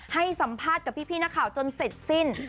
ให้สัมภาษณ์กับพี่นักข่าวจนเสร็จสิ้น